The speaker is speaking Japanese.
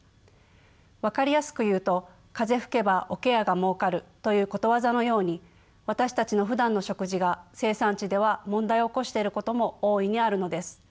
分かりやすく言うと「風吹けば桶屋がもうかる」ということわざのように私たちのふだんの食事が生産地では問題を起こしていることも大いにあるのです。